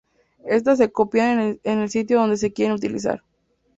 Estas se copian en el sitio donde se quieren utilizar.